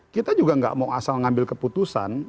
kita juga tidak mau asal mengambil keputusan